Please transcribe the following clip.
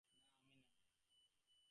না, আমি না।